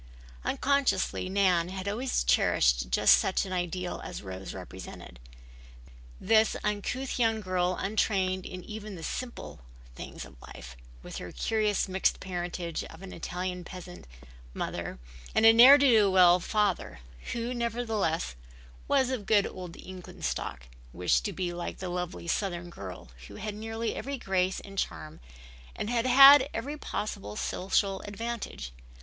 Unconsciously Nan had always cherished just such an ideal as Rose represented. This uncouth young girl, untrained in even the simple things of life, with her curious mixed parentage of an Italian peasant mother and a ne'er do well father, who nevertheless was of good old New England stock, wished to be like the lovely southern girl who had nearly every grace and charm and had had every possible social advantage.